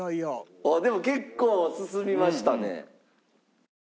あっでも結構進みましたね。